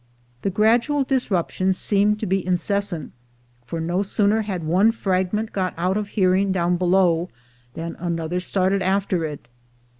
The gradual disruption seemed to be incessant, for no sooner had one fragment got out of hearing down below, than another started after it.